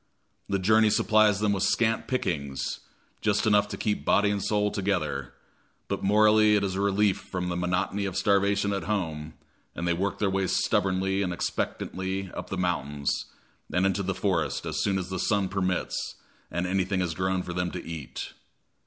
The journey supplies them with scant pickings, just enough to keep body and soul together, but morally it is a relief from the monotony of starvation at home, and they work their way stubbornly and expectantly up the mountains and into the forest as soon as the sun permits and anything has grown for them to eat.